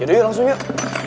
yaudah yuk langsung yuk